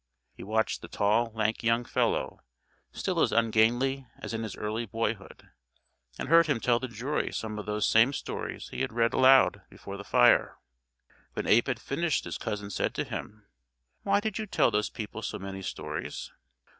He watched the tall, lank young fellow, still as ungainly as in his early boyhood, and heard him tell the jury some of those same stories he had read aloud before the fire. When Abe had finished his cousin said to him, "Why did you tell those people so many stories?"